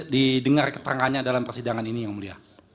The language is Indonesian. didengar keterangannya dalam persidangan ini yang mulia